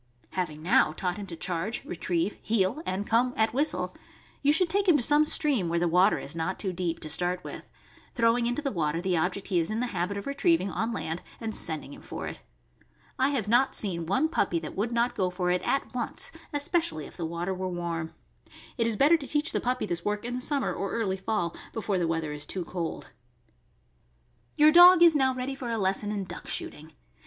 Having now taught him to charge, retrieve, heel, and come at whistle, you should take him to some stream, where the water is not too deep, to start with, throwing into the water the object he is in the habit of retrieving on land and sending him for it. I have not seen one puppy that would not go for it at once, especially if the water were warm. It is better to teach the puppy this work in the summer or early fall, before the weather is too cold. Your dog is now ready for a lesson in duck shooting.